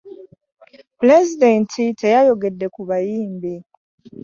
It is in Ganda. Pulezidenti teyayogede ku bayimbi.